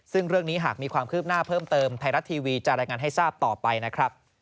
ซึ่งเรื่องนี้หากมีความคืบหน้าเพิ่มเติมไทยรัฐทีวีจะรายงานให้ทราบต่อไปนะครับ